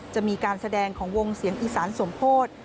จะมีการแสดงของวงเสียงอีสานสมโพธิ